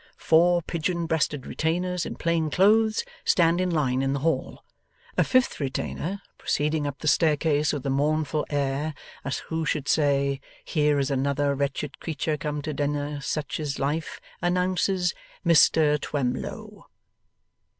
Four pigeon breasted retainers in plain clothes stand in line in the hall. A fifth retainer, proceeding up the staircase with a mournful air as who should say, 'Here is another wretched creature come to dinner; such is life!' announces, 'Mis ter Twemlow!